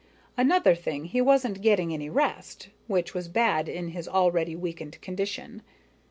Another thing, he wasn't getting any rest, which was bad in his already weakened condition.